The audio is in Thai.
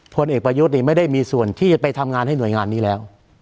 พลเอกประยุทธ์ไม่ได้มีส่วนที่จะไปทำงานให้หน่วยงานนี้แล้ว